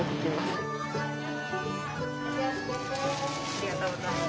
ありがとうございます。